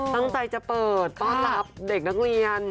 ตั้งใจจะเปิดต้อนรับเด็กนักเรียน